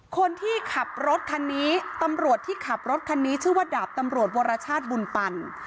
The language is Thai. คนที่ขับรถคันนี้ตำรวจที่ขับรถคันนี้ชื่อว่าดาบตำรวจวรชาติบุญปัน